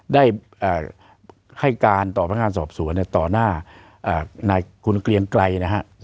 ได้ให้การต่อพนักงานสอบสวนต่อหน้านายคุณเกลียงไกรนะฮะ